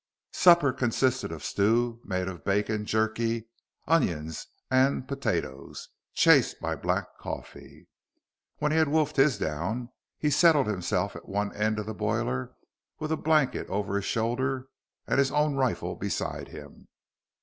Supper consisted of stew made of bacon, jerky, onions, and potatoes, chased by black coffee. When he had wolfed his down, he settled himself at one end of the boiler with a blanket over his shoulder and his own rifle beside him.